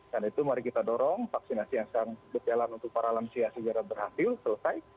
dan itu mari kita dorong vaksinasi yang sekarang berjalan untuk para lansia segera berhasil selesai